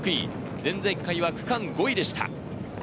前々回は区間５位でした。